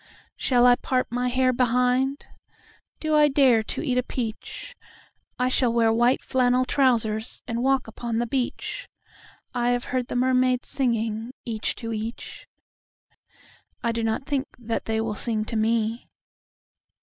Shall I part my hair behind? Do I dare to eat a peach?I shall wear white flannel trousers, and walk upon the beach.I have heard the mermaids singing, each to each.I do not think that they will sing to me.